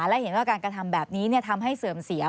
และเห็นว่าการกระทำแบบนี้ทำให้เสื่อมเสีย